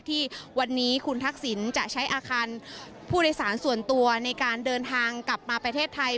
ที่วันนี้คุณทักษิณจะใช้อาคารผู้โดยสารส่วนตัวในการเดินทางกลับมาประเทศไทย